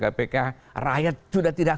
kpk rakyat sudah tidak